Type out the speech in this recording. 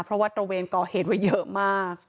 เพราะว่าตระเวนก่อเหตุไว้เยอะมาก